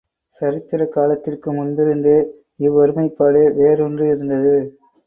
சரித்திர காலத்திற்கு முன்பிருந்தே இவ்வொருமைப்பாடு வேரூன்றி இருந்தது.